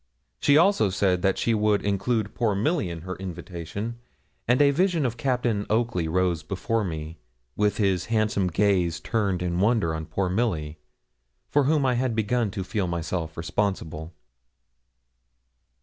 She also said that she would include poor Milly in her invitation; and a vision of Captain Oakley rose before me, with his handsome gaze turned in wonder on poor Milly, for whom I had begun to feel myself responsible.